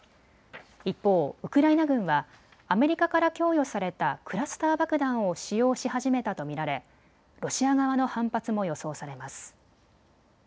一方、ウクライナ軍はアメリカから供与されたクラスター爆弾を使用し始めたと見られロシア側の反発も予想されます。